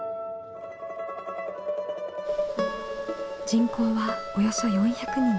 人口はおよそ４００人。